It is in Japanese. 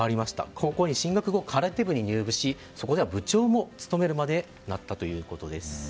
高校に進学後、空手部に入部しそこでは部長を務めるようになったそうです。